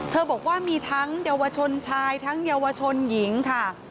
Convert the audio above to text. บอกว่ามีทั้งเยาวชนชายทั้งเยาวชนหญิงค่ะ